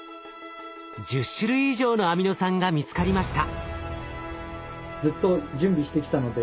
１０種類以上のアミノ酸が見つかりました。